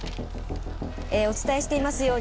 お伝えしていますように。